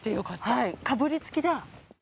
はいかぶりつきだ。